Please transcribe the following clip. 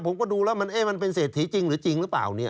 ผมก็ดูแล้วมันเอ๊ะมันเป็นเศรษฐีจริงหรือจริงหรือเปล่าเนี่ย